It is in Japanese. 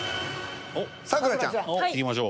咲楽ちゃん。いきましょう。